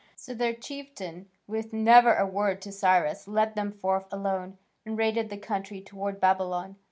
So their chieftain, with never a word to Cyrus, led them forth alone, and raided the country towards Babylon.